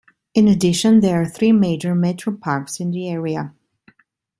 In addition, there are three major metro parks in the area.